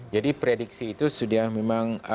jadi prediksi itu sudah memang